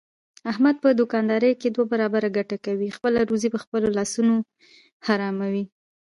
احمد په دوکاندارۍ کې دوه برابره ګټه کوي، خپله روزي په خپلو لاسونو حراموي.